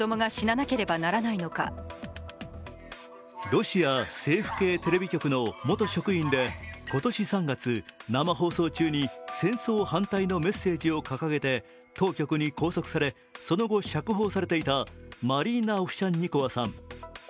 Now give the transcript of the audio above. ロシア政府系テレビ局の元職員で今年３月、生放送中に戦争反対のメッセージを掲げて当局に拘束され、その後、釈放されていたマリーナ・オフシャンニコワさん。